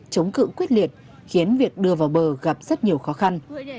chống cự quyết liệt khiến việc đưa vào bờ gặp rất nhiều khó khăn